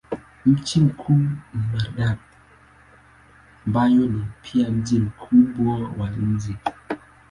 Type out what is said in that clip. Mji mkuu ni Madrid ambayo ni pia mji mkubwa wa nchi.